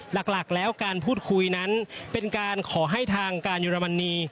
หลักแล้วการพูดคุยนั้นเป็นการขอให้ทางการเยอรมนี